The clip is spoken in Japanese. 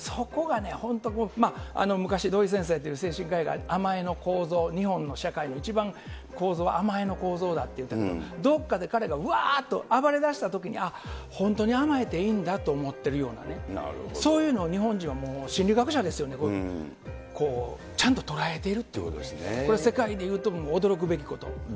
あとで関節決めましたけど、そこがね、本当こう、昔、どい先生という精神科医の先生が甘えの構造、日本の社会の一番構造、甘えの構造だと言ったけど、どこかで彼がうわーっと暴れ出したときに、あっ、本当に甘えていいんだと思ってるようなね、そういうの、日本人はもう心理学ちゃんと捉えているというここれ、世界でいう驚くべきこと。